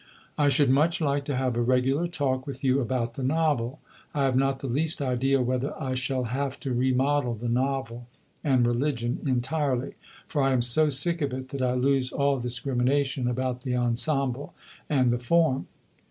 I should much like to have a regular talk with you about the Novel. I have not the least idea whether I shall have to remodel the Novel and 'Religion' entirely; for I am so sick of it that I lose all discrimination about the ensemble and the form."